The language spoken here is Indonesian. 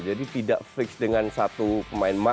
jadi tidak fix dengan satu pemain